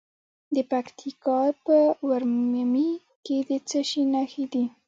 د پکتیکا په ورممی کې د څه شي نښې دي؟